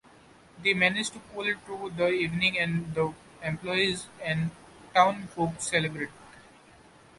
They manage to pull through the evening and the employees and town folks celebrate.